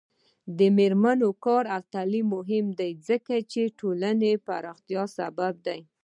د میرمنو کار او تعلیم مهم دی ځکه چې ټولنې پراختیا سبب دی.